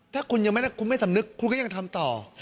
ถ้าคุณยังไม่ทำนึกคุณก็ยังทำต่อ